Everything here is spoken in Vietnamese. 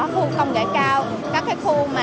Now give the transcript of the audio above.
khu công nghệ cao các khu